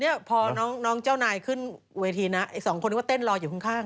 อีก๒คนต้องกูว่าเต้นลอยอยู่ข้าง